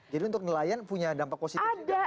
jadi untuk nelayan punya dampak positif tidak